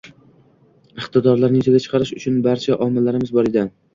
iqtidorlarni yuzaga chiqarish uchun barcha omillarimiz bor edi